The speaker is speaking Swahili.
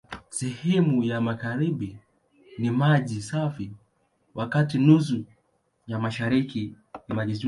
Sehemu ya magharibi ni maji safi, wakati nusu ya mashariki ni ya chumvi.